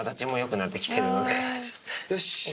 よし。